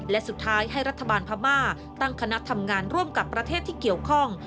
และสุดท้ายให้รัฐบาลพม่าตั้งคณะทำงานร่วมกับประเทศที่เกี่ยวข้อง